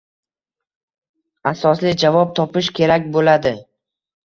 asosli javob topish kerak bo‘ladi.